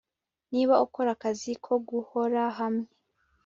Niba ukora akazi ko guhora hamwe